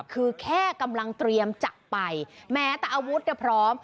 คือแค่กำลังเตรียมจับไปแม้แต่อาวุธเนี่ยพร้อม